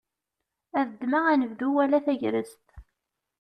Ad ddmeɣ anebdu wala tagrest.